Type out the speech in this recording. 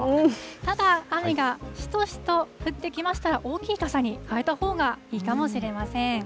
ただ、雨がしとしと降ってきましたら、大きい傘にかえたほうがいいかもしれません。